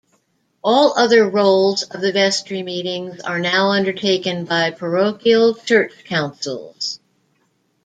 All other roles of the vestry meetings are now undertaken by parochial church councils.